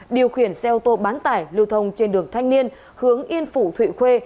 điều khiển xe ô tô bán tải lưu thông trên đường thanh niên hướng yên phủ thụy khuê